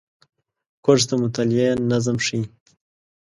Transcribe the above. کورس د مطالعې نظم ښيي.